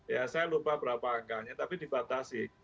ya saya lupa berapa angkanya tapi dibatasi